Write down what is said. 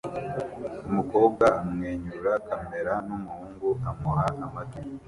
Umukobwa amwenyura kamera numuhungu amuha amatwi